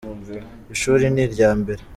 ishuri niryambere